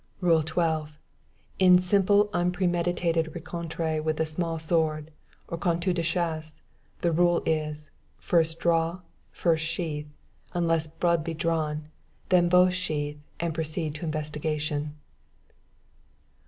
"Rule 12. In simple unpremeditated rencontres with the small sword or couteau de chasse, the rule is, first draw, first sheathe; unless blood be drawn: then both sheathe, and proceed to investigation.